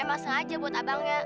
emang sengaja buat abangnya